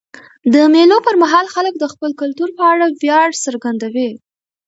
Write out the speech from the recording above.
د مېلو پر مهال خلک د خپل کلتور په اړه ویاړ څرګندوي.